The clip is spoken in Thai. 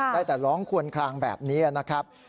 ได้แต่ร้องควนคลางแบบนี้นะครับ